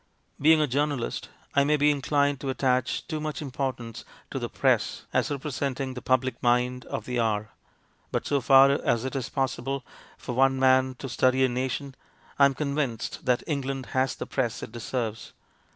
Being a journalist, I may be inclined to attach too much importance to the Press as representing the public mind of the hour ; but so far as it is possible for one man to study a nation, I am convinced that England has the Press it deserves.